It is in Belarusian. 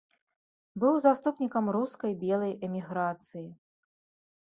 Быў заступнікам рускай белай эміграцыі.